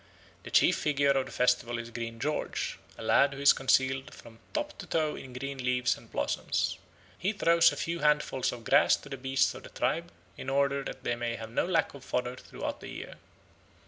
The chief figure of the festival is Green George, a lad who is concealed from top to toe in green leaves and blossoms. He throws a few handfuls of grass to the beasts of the tribe, in order that they may have no lack of fodder throughout the year.